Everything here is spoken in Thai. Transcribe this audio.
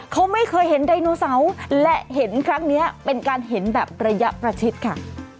เขาไม่เคยเห็นไดโนเสาร์และเห็นครั้งนี้เป็นการเห็นแบบระยะประชิดค่ะ